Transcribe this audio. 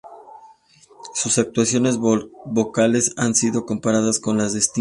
Sus actuaciones vocales han sido comparados con las de Sting.